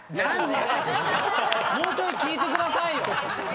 もうちょい聞いてくださいよ！